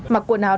mặc quần áo